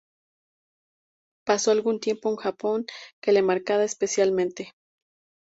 Pasó algún tiempo en Japón, que le marca especialmente.